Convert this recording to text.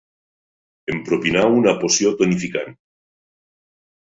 Em propinà una poció tonificant.